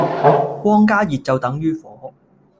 光加熱就等於火